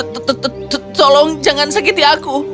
tolong jangan sakiti aku